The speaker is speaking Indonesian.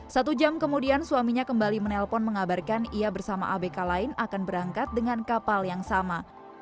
satu jam kemudian suaminya kembali menelpon mengabarkan ia bersama abk lain akan berangkat dengan kapal yang sama